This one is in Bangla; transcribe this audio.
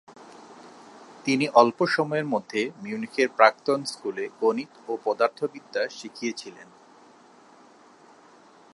তিনি অল্প সময়ের মধ্যে মিউনিখের প্রাক্তন স্কুলে গণিত ও পদার্থবিদ্যা শিখিয়েছিলেন।